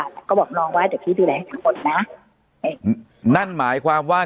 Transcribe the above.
แล้วก็บอกน้องว่าเดี๋ยวพี่ดูแลให้ทุกคนนะนั่นหมายความว่า